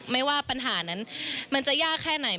ไม่ว่าปัญหานั้นมันจะยากแค่ไหน